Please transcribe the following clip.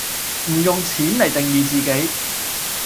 唔用「錢」黎定義自己